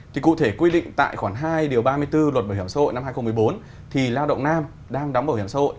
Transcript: thì cụ thể quy định tại khoảng hai điều ba mươi bốn luật bảo hiểm xã hội năm hai nghìn một mươi bốn thì lao động nam đang đóng bảo hiểm xã hội